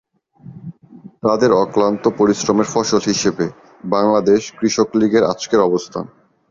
তাদের অক্লান্ত পরিশ্রমের ফসল হিসেবে বাংলাদেশ কৃষক লীগের আজকের অবস্থান।